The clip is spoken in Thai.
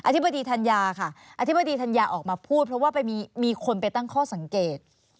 อธิบดีธัญญาออกมาพูดเพราะว่ามีคนไปตั้งข้อสังเกต